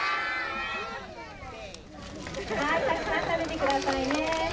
たくさん食べてくださいね。